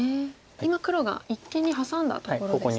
今黒が一間にハサんだところですね。